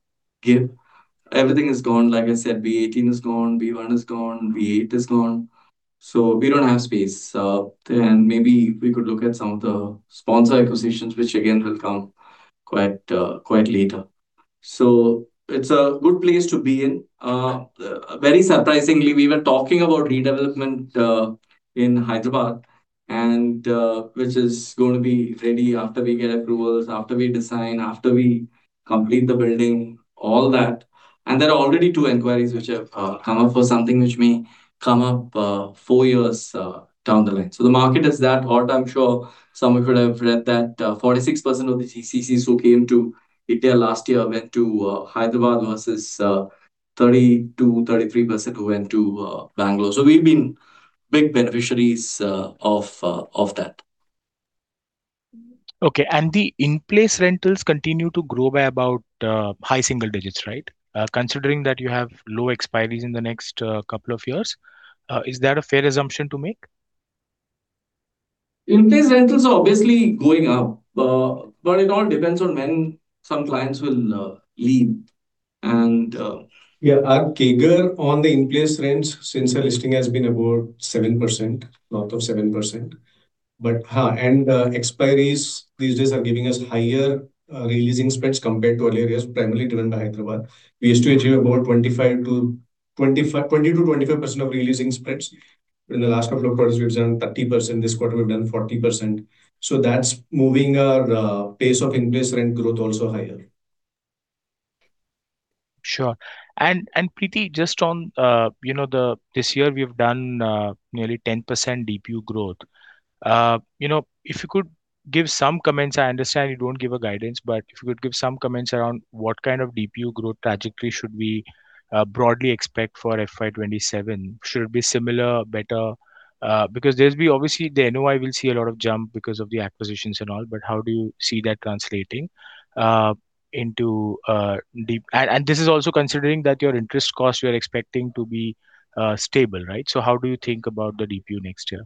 give. Everything is gone. Like I said, B 18 is gone, B 1 is gone, B 8 is gone. We don't have space. Maybe we could look at some of the sponsor acquisitions, which again, will come quite later. It's a good place to be in. Very surprisingly, we were talking about redevelopment in Hyderabad, which is going to be ready after we get approvals, after we design, after we complete the building, all that. There are already 2 inquiries which have come up for something which may come up 4 years down the line. The market is that hot. I'm sure some of you would have read that 46% of the GCCs who came to India last year went to Hyderabad versus 30%-33% who went to Bangalore. We've been big beneficiaries of that. Okay. The in-place rentals continue to grow by about high single-digits, right? Considering that you have low expiries in the next couple of years, is that a fair assumption to make? In-place rentals are obviously going up, but it all depends on when some clients will leave. Yeah, our CAGR on the in-place rents since our listing has been about 7%, north of 7%. Expiries these days are giving us higher re-leasing spreads compared to earlier years, primarily driven by Hyderabad. We used to achieve about 25 to 20%-25% of re-leasing spreads. In the last couple of quarters, we've done 30%, this quarter we've done 40%. That's moving our pace of in-place rent growth also higher. Sure. Preeti, just on, you know, this year we've done nearly 10% DPU growth. You know, if you could give some comments, I understand you don't give a guidance, but if you could give some comments around what kind of DPU growth trajectory should we broadly expect for FY 2027? Should it be similar, better? Because there's obviously the NOI will see a lot of jump because of the acquisitions and all, but how do you see that translating into DPU. This is also considering that your interest costs you are expecting to be stable, right? How do you think about the DPU next year?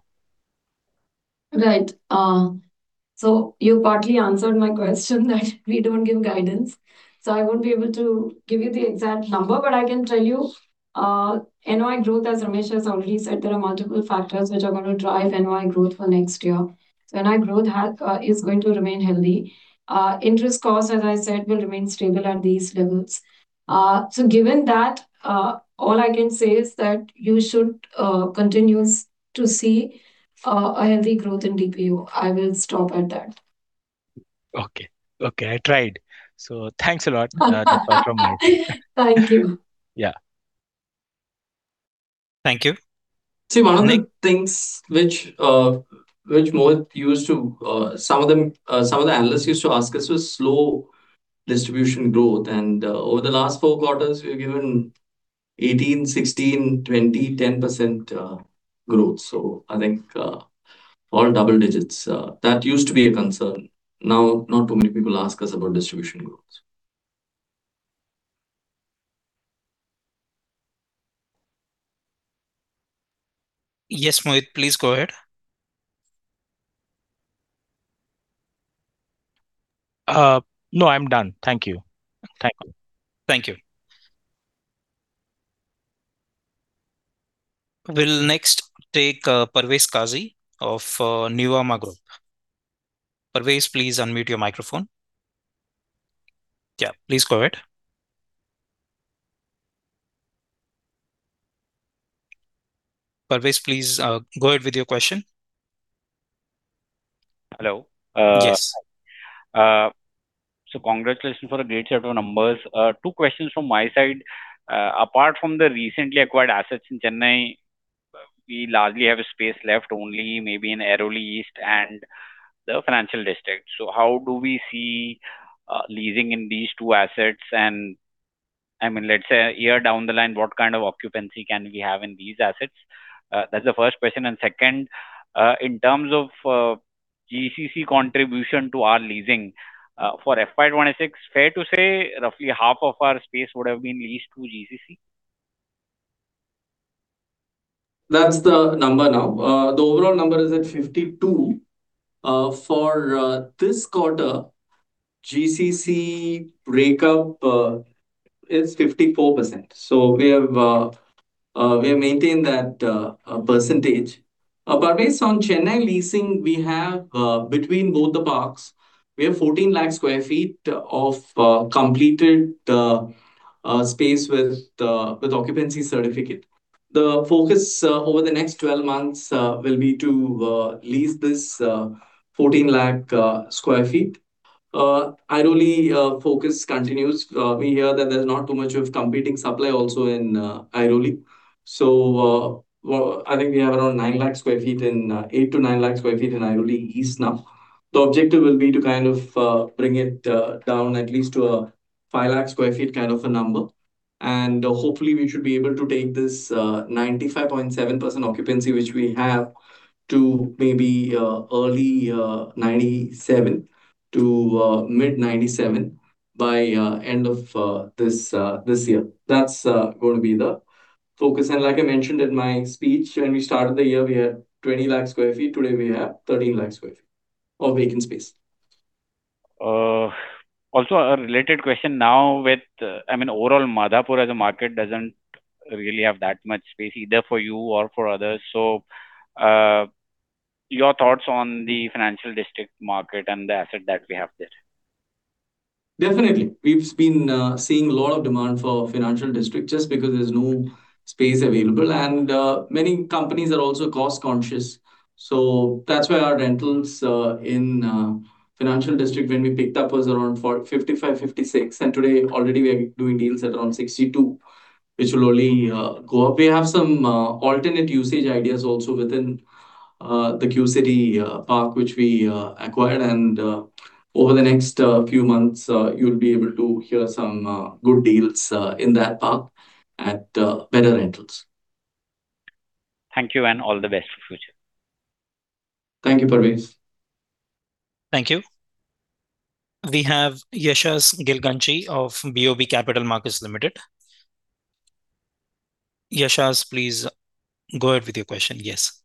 Right. You partly answered my question that we don't give guidance. I won't be able to give you the exact number, but I can tell you, NOI growth, as Ramesh has already said, there are multiple factors which are gonna drive NOI growth for next year. NOI growth is going to remain healthy. Interest costs, as I said, will remain stable at these levels. Given that, all I can say is that you should continue to see a healthy growth in DPU. I will stop at that. Okay. Okay, I tried. Thanks a lot for your time. Thank you. Yeah. Thank you. See, one of the things which Mohit used to, some of them, some of the analysts used to ask us was slow distribution growth. Over the last four quarters, we've given 18%, 16%, 20%, 10% growth. I think, all double-digits. That used to be a concern. Now not too many people ask us about distribution growth. Yes, Mohit, please go ahead. No, I'm done. Thank you. Thank you. Thank you. We'll next take Parvez Qazi of Nuvama Group. Parvez, please unmute your microphone. Yeah, please go ahead. Parvez, please go ahead with your question. Hello. Yes. Congratulations for a great set of numbers. Two questions from my side. Apart from the recently acquired assets in Chennai, we largely have a space left only maybe in Airoli East and the financial district. How do we see leasing in these two assets? I mean, let's say a year down the line, what kind of occupancy can we have in these assets? That's the first question. Second, in terms of GCC contribution to our leasing, for FY 2026, fair to say roughly half of our space would have been leased to GCC? That's the number now. The overall number is at 52. For this quarter, GCC breakup is 54%. We have maintained that percentage. Parvez, on Chennai leasing, we have between both the parks, we have 14 lakh sq ft of completed space with occupancy certificate. The focus over the next 12 months will be to lease this 14 lakh sq ft. Airoli focus continues. We hear that there's not too much of competing supply also in Airoli. I think we have around 9 lakh sq ft in 8-9 lakh sq ft in Airoli East now. The objective will be to kind of bring it down at least to a 5 lakh sq ft kind of a number. Hopefully we should be able to take this 95.7% occupancy, which we have, to maybe early 97 to mid-97 by end of this year. That's going to be the focus. Like I mentioned in my speech, when we started the year, we had 20 lakh sq ft. Today, we have 13 lakh sq ft of vacant space. Also a related question now with, I mean, overall Madhapur as a market doesn't really have that much space either for you or for others. Your thoughts on the Financial District market and the asset that we have there? Definitely. We've been seeing a lot of demand for Financial District just because there's no space available. Many companies are also cost-conscious. That's why our rentals in Financial District when we picked up was around 55, 66, and today already we are doing deals at around 62, which will only go up. We have some alternate usage ideas also within the Q-City park, which we acquired. Over the next few months, you'll be able to hear some good deals in that park at better rentals. Thank you and all the best for future. Thank you, Parvez. Thank you. We have Yashas Gilganchi of BoB Capital Markets Limited. Yashas, please go ahead with your question. Yes.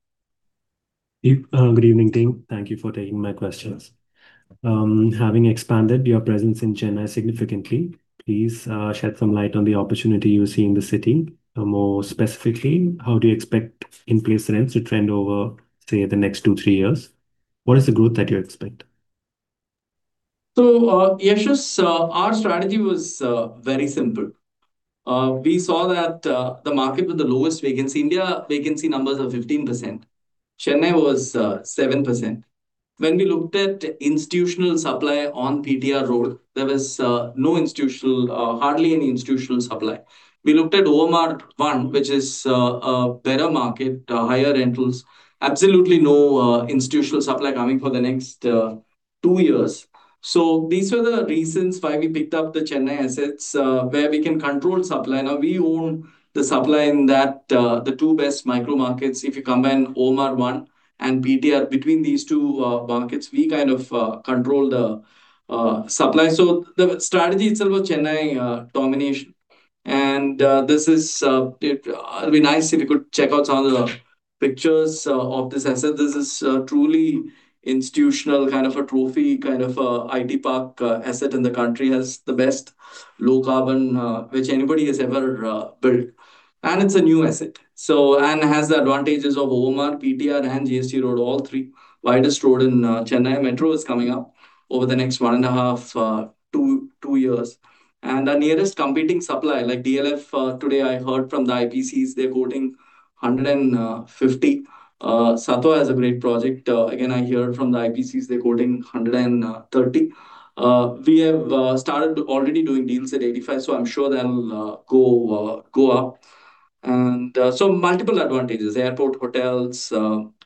Good evening, team. Thank you for taking my questions. Having expanded your presence in Chennai significantly, please shed some light on the opportunity you see in the city. More specifically, how do you expect in-place rents to trend over, say, the next two, three years? What is the growth that you expect? Yashas, our strategy was very simple. We saw that the market with the lowest vacancy. India vacancy numbers are 15%. Chennai was 7%. When we looked at institutional supply on PTR Road, there was no institutional, hardly any institutional supply. We looked at OMR One, which is a better market, higher rentals. Absolutely no institutional supply coming for the next 2 years. These were the reasons why we picked up the Chennai assets, where we can control supply. Now, we own the supply in that, the two best micro markets. If you combine OMR One and PTR, between these two markets, we kind of control the supply. The strategy itself was Chennai domination. This is, it'll be nice if you could check out some of the pictures of this asset. This is a truly institutional kind of a trophy, kind of a IT park asset in the country. Has the best low carbon which anybody has ever built. It's a new asset. Has the advantages of OMR, PTR, and GST Road, all three. Widest road in Chennai. Metro is coming up over the next 1.5-2 years. Our nearest competing supply, like DLF, today I heard from the IPCs, they're quoting 150. Sattva has a great project. Again, I heard from the IPCs they're quoting 130. We have started already doing deals at 85, so I'm sure they'll go up. Multiple advantages. Airport hotels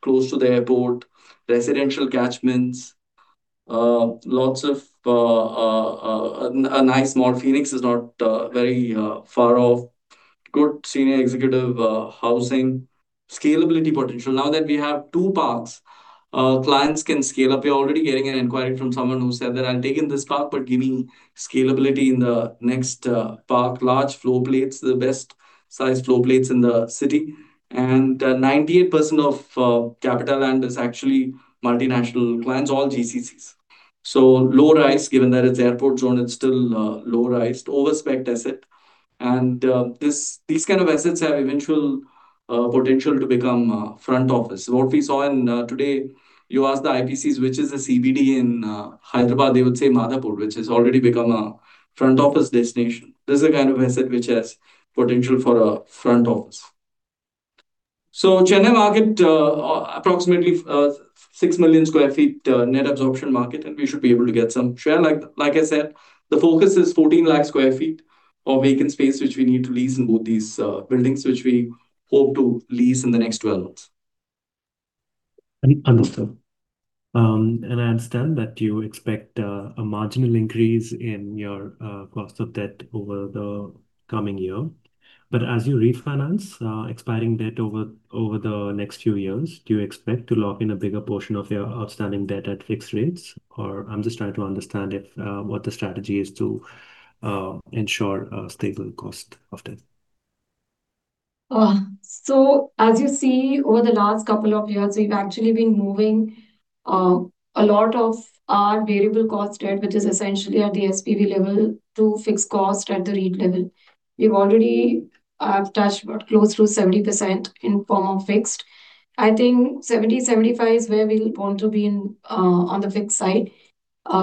close to the airport. Residential catchments. Lots of a nice mall. Phoenix is not very far off. Good senior executive housing. Scalability potential. Now that we have two parks, clients can scale up. We're already getting an inquiry from someone who said that, "I'm taking this park, but give me scalability in the next park." Large floor plates, the best size floor plates in the city. 98% of CapitaLand is actually multinational clients, all GCCs. Low rise. Given that it's airport zone, it's still low rise. Over-specced asset. These kind of assets have eventual potential to become a front office. What we saw in, today, you asked the IPCs which is the CBD in Hyderabad, they would say Madhapur, which has already become a front office destination. This is the kind of asset which has potential for a front office. Chennai market, approximately, 6 million sq ft, net absorption market, and we should be able to get some share. Like I said, the focus is 14 lakh sq ft of vacant space which we need to lease in both these buildings, which we hope to lease in the next 12 months. Understood. I understand that you expect a marginal increase in your cost of debt over the coming year. As you refinance expiring debt over the next few years, do you expect to lock in a bigger portion of your outstanding debt at fixed rates? I'm just trying to understand if what the strategy is to ensure a stable cost of debt. As you see, over the last couple of years, we've actually been moving a lot of our variable cost debt, which is essentially at the SPV level, to fixed cost at the REIT level. We've already touched about close to 70% in form of fixed. I think 70%, 75% is where we want to be in on the fixed side.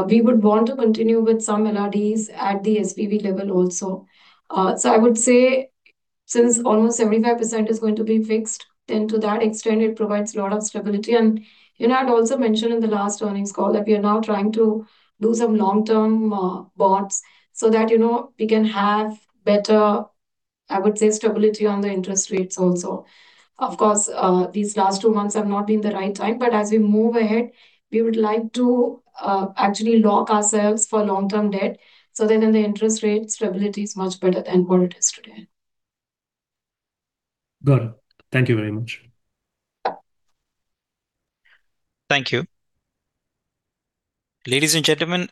We would want to continue with some LRDs at the SPV level also. I would say since almost 75% is going to be fixed, then to that extent it provides a lot of stability. You know, I'd also mentioned in the last earnings call that we are now trying to do some long-term bonds so that, you know, we can have better, I would say, stability on the interest rates also. Of course, these last two months have not been the right time. As we move ahead, we would like to actually lock ourselves for long-term debt. In the interest rate, stability is much better than what it is today. Got it. Thank you very much. Thank you. Ladies and gentlemen,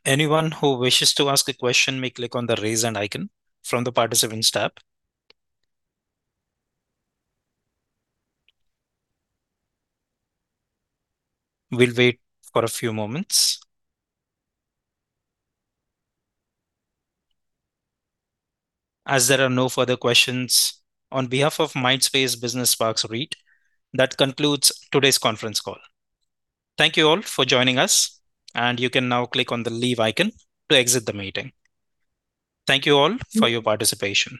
on behalf of Mindspace Business Parks REIT, that concludes today's conference call. Thank you all for joining us. Thank you all for your participation.